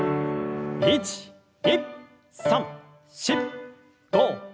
１２３４５６７８。